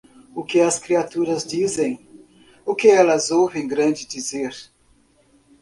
O que as criaturas dizem? O que eles ouvem grande dizer.